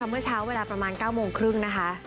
เมื่อเช้าเวลาประมาณ๙โมงครึ่งนะคะ